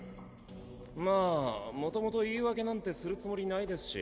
まあもともと言い訳なんてするつもりないですし。